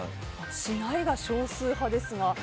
しないが少数派ですが。